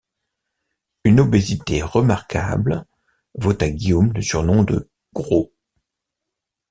Une obésité remarquable vaut à Guillaume le surnom de Gros.